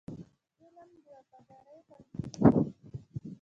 فلم د وفادارۍ تمثیل کوي